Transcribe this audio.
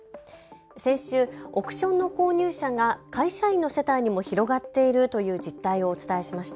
先週、億ションの購入者が会社員の世帯にも広がっているという実態をお伝えしました。